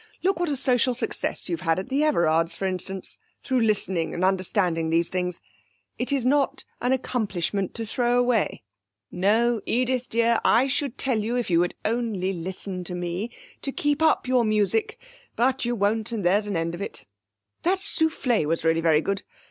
Look what a social success you've had at the Everards', for instance, through listening and understanding these things; it is not an accomplishment to throw away. No, Edith dear, I should tell you, if you would only listen to me, to keep up your music, but you won't and there's an end of it...That soufflé was really very good.